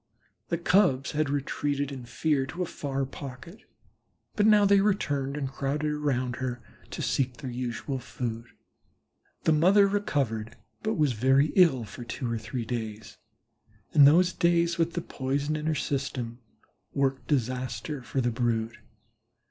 The Cubs had retreated in fear to a far pocket, but now they returned and crowded about her to seek their usual food. The mother recovered, but was very ill for two or three days, and those days with the poison in her system worked disaster for the brood.